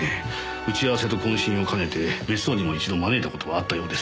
打ち合わせと懇親を兼ねて別荘にも一度招いた事があったようです。